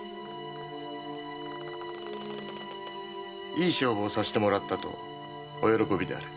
「いい勝負をさせてもらった」とお喜びである。